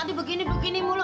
tadi begini begini mulu